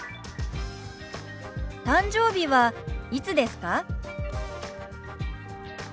誕生日はいつですか？